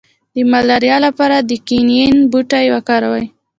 د ملاریا لپاره د کینین بوټی وکاروئ